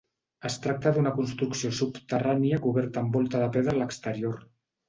Es tracta d'una construcció subterrània coberta amb volta de pedra a l'exterior.